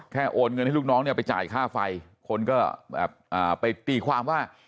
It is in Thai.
โอนเงินให้ลูกน้องเนี่ยไปจ่ายค่าไฟคนก็แบบไปตีความว่า